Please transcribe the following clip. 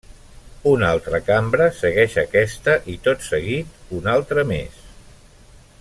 Una altra cambra segueix aquesta, i tot seguit una altra més.